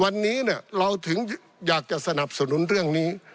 วันนี้เราถึงอยากจะสนับสนุนเรื่องนี้